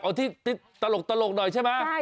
เอาที่ตลกหน่อยใช่ไหม